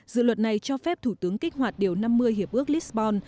dự luật này cho phép thủ tướng kích hoạt điều năm mươi hiệp ước lisbon